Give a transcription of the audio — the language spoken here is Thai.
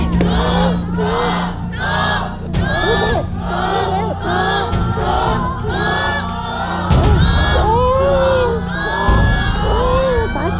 ก็โดนพยายามอีก